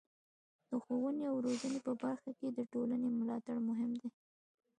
د ښوونې او روزنې په برخه کې د ټولنې ملاتړ مهم دی.